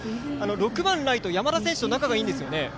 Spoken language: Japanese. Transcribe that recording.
６番ライト、山田選手と仲がいいんですよね。